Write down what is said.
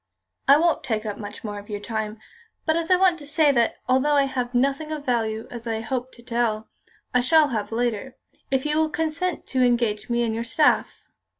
"I won't take up much more of your time. But I want to say that, although I have nothing of value, as I hoped, to tell, I shall have later, if you will consent to engage me on your staff."